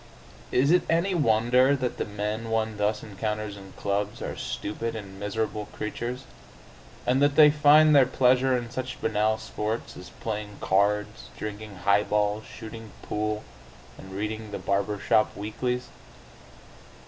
Is it any wonder that the men one thus encounters in clubs are stupid and miserable creatures, and that they find their pleasure in such banal sports as playing cards, drinking highballs, shooting pool, and reading the barber shop weeklies?...